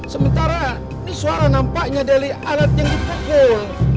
sementara ini suara nampaknya dari alat yang dipukul